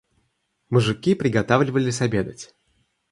Мужики приготавливались обедать.